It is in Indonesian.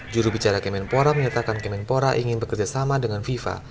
juru bicara gemenpora menyatakan gemenpora ingin bekerja sama dengan fifa